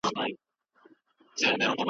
ولې جنیتيک مهم دی؟